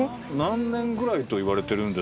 何年ぐらいといわれてるんです？